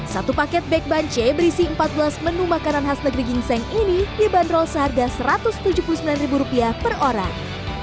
satu paket back banche berisi empat belas menu makanan khas negeri gingseng ini dibanderol seharga satu ratus tujuh puluh sembilan per orang